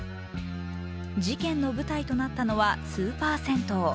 事件の舞台となったのはスーパー銭湯。